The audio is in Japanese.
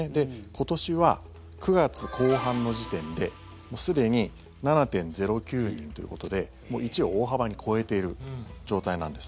今年は９月後半の時点ですでに７．０９人ということでもう１を大幅に超えている状態なんです。